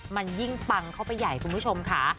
มันยิ่งปังเข้าไปใหญ่คุณผู้ชมค่ะ